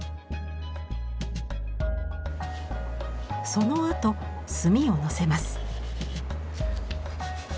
そのあと墨をのせます。